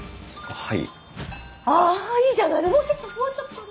はい。